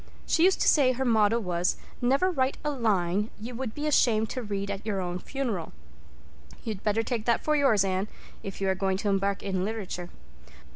She used to say her motto was 'Never write a line you would be ashamed to read at your own funeral.' You'd better take that for yours, Anne, if you are going to embark in literature.